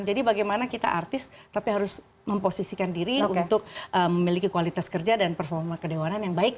jadi bagaimana kita artis tapi harus memposisikan diri untuk memiliki kualitas kerja dan performa kedewanan yang baik